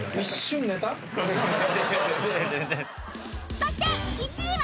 ［そして１位は］